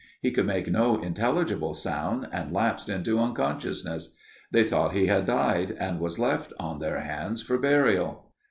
He could make no intelligible sound and lapsed into unconsciousness. They thought he had died and was left on their hands for burial.